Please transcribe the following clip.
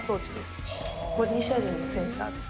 これボディシェアリングのセンサーです。